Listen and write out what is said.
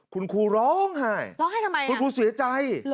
คุณครูร้องไห้ร้องไห้ทำไมคุณครูเสียใจ